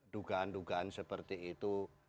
dugaan dugaan seperti itu